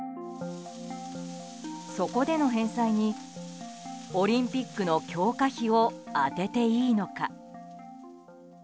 そこでの返済にオリンピックの強化費を充てていいのか。